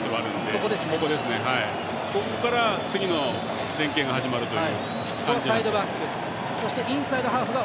ここから次の連係が始まるという。